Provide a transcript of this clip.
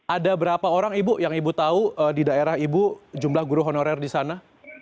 ada berapa orang ibu yang ibu tahu di daerah ibu jumlah guru honorer di sana